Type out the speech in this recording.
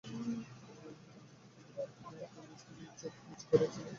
বালিকা কহিল, আমি তো তোমাকে দেখি নাই, আমি চোখ নিচু করিয়া ছিলাম।